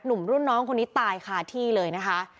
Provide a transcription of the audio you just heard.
หนุ่มรุ่นน้องคนนี้ตายคาที่เลยนะคะ